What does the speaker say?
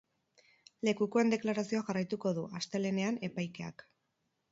Lekukoen deklarazioa jarraituko du, astelehenean, epaikeak.